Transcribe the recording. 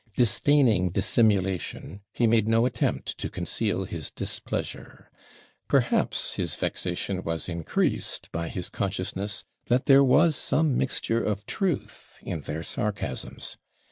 Disdaining dissimulation, he made no attempt to conceal his displeasure. Perhaps his vexation was increased by his consciousness that there was some mixture of truth in their sarcasms.